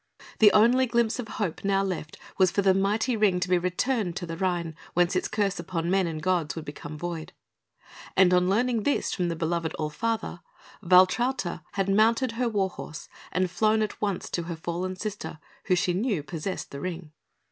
The only glimpse of hope now left was for the mighty Ring to be returned to the Rhine, when its curse upon men and gods would become void; and on learning this from the beloved All Father, Valtrauta had mounted her war horse and flown at once to her fallen sister, who she knew possessed the Ring.